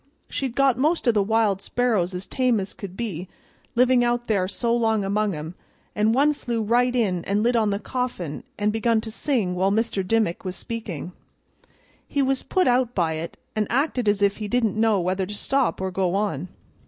She'd got most o' the wild sparrows as tame as could be, livin' out there so long among 'em, and one flew right in and lit on the coffin an' begun to sing while Mr. Dimmick was speakin'. He was put out by it, an' acted as if he didn't know whether to stop or go on.